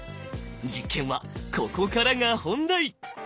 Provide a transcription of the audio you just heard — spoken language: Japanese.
実験はここからが本題！